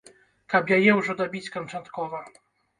Каб яе ўжо дабіць канчаткова.